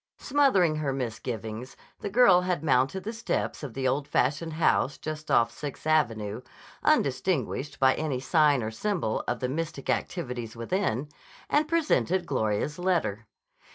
Smothering her misgivings, the girl had mounted the steps of the old fashioned house just off Sixth Avenue, undistinguished by any sign or symbol of the mystic activities within, and presented Gloria's letter.